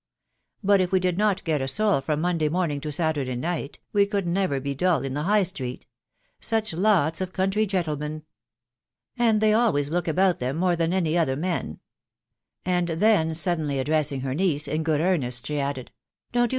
.. But if we did net get a soul from Monday momingr to Saturday night, w« could' never be tttill in the High; Steeefc. Suolv lets of country gentlemen !«... And they always look, about tibem: more than any other mem " And/ theny suddenly addressing*, hen niece in a;ood nest, she added,—* Jhmltyow&nlk my Agtusr" h.